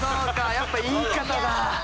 やっぱ言い方だ。